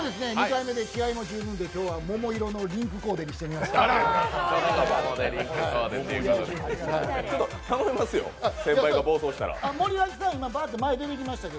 ２回目で気合いも十分で今日は桃色のリンクコーデにしてみました。